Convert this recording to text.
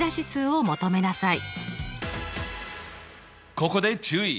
ここで注意！